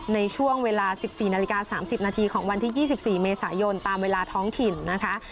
ในช่วงเวลา๑๔นาฬิกา๓๐นาทีของวันที่๒๔เมษายนตามเวลาท้องถิ่นนะคะ